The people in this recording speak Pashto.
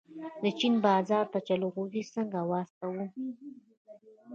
د چین بازار ته جلغوزي څنګه واستوم؟